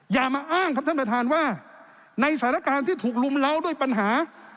อย่ามาอ้างครับท่านประธานว่าในสถานการณ์ที่ถูกลุมเล้าด้วยปัญหา